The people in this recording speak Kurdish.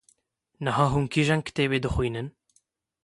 Niha hûn kîjan kitêbê dixwînin?